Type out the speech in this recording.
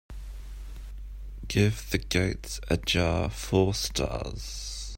Give The Gates Ajar four stars